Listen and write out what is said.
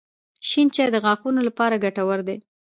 • شین چای د غاښونو لپاره ګټور دی.